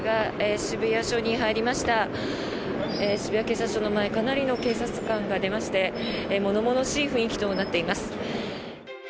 渋谷警察署の前かなりの警察官が出まして物々しい雰囲気となっています。